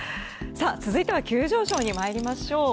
続いては急上昇に参りましょう。